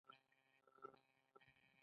د غور منارې جمعې د غوري سلطنت نښه ده